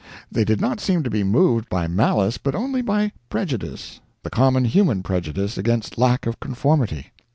They did not seem to be moved by malice but only by prejudice, the common human prejudice against lack of conformity.